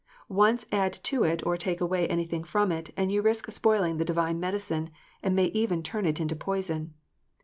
Once add to it or take away anything from it, and you risk spoiling the Divine medicine, and may even turn it into poison.